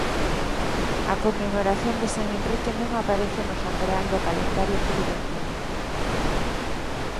A conmemoración de san Henrique non aparece no santoral do calendario tridentino.